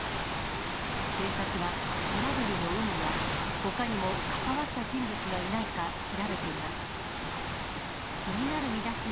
警察はトラブルの有無や、ほかにも関わった人物がいないか調べています。